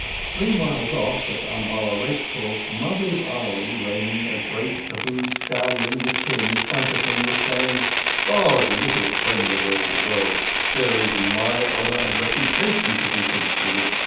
Three miles off, on Umballa racecourse, Mahbub Ali, reining a grey Kabuli stallion with Kim in front of him, was saying: "But, Little Friend of all the World, there is my honour and reputation to be considered.